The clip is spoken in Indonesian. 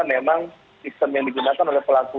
memang sistem yang digunakan oleh pelaku